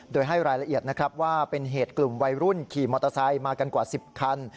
โดยให้รายละเอียดนะครับว่าเป็นเหตุกลุ่มวัยรุ่นขี่มอเตอร์ไซค์มากันกว่า๑๐คัน